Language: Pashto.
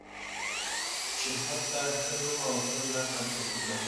چې حتی ښه نوم او ښه نښه پرېښودل